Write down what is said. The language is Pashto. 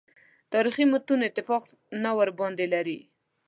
تاریخي متون اتفاق نه ورباندې لري.